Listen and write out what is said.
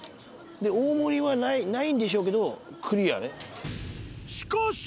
大盛りはないんでしょうけどクリアね。